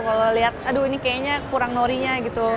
kalau lihat aduh ini kayaknya kurang norinya gitu